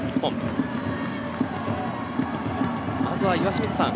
まずは岩清水さん